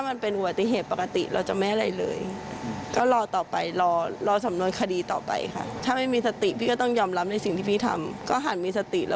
เฮ่ยเหนือฟ้ำยังมีฟ้า